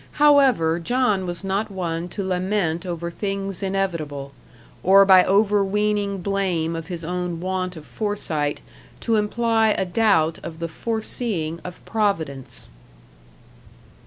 However, John was not one to lament over things inevitable; or by overweening blame of his own want of foresight, to imply a doubt of the foreseeing of Providence.